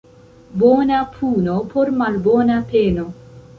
Bona puno por malbona peno.